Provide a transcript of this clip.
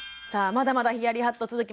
まだまだヒヤリハット続きます。